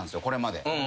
これまで。